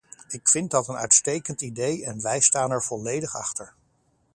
Ik vind dat een uitstekend idee, en wij staan er volledig achter.